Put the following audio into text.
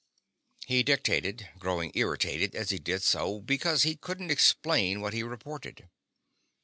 He dictated, growing irritated as he did so because he couldn't explain what he reported.